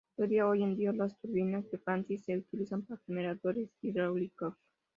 Todavía hoy en día las turbinas de Francis se utilizan para generadores hidráulica¡os.